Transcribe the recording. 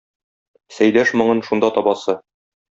Сәйдәш моңын шунда табасы.